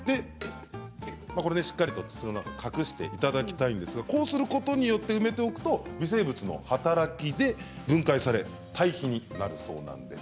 しっかりと隠していただきたいんですがこうして埋めておくと微生物の働きで分解され堆肥になるそうなんです。